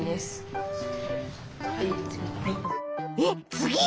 えっ次？